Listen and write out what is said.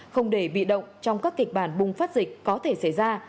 không để bị động trong các kịch bản bùng phát dịch có thể xảy ra